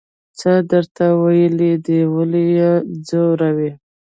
څه یې درته ویلي دي ولې یې ځوروئ.